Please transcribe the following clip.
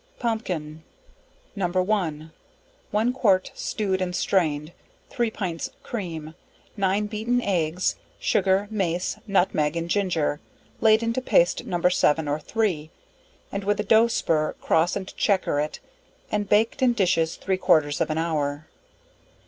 Pompkin. No. 1. One quart stewed and strained, 3 pints cream, 9 beaten eggs, sugar, mace, nutmeg and ginger, laid into paste No. 7 or 3, and with a dough spur, cross and chequer it, and baked in dishes three quarters of an hour.